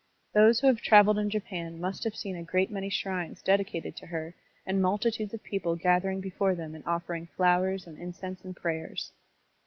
Those who have traveled in Japan must have seen a great many shrines dedicated to her and multitudes of people gathering before them and offering flowers and incense and prayers.